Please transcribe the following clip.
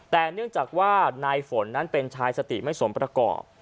แต่เนื่องจากว่านายฝนนั้นเป็นชายสติไม่สมประกอบ